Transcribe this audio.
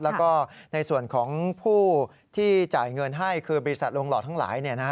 แล้วก็ในส่วนของผู้ที่จ่ายเงินให้คือบริษัทลงหล่อทั้งหลาย